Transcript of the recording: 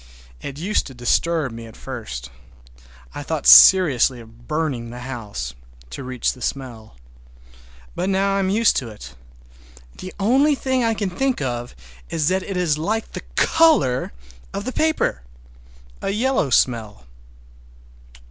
It used to disturb me at first. I thought seriously of burning the house—to reach the smell. But now I am used to it. The only thing I can think of that it is like is the color of the paper! A yellow smell.